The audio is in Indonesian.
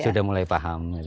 sudah mulai paham